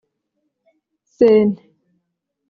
Sente